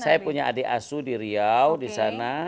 saya punya adik asu di riau di sana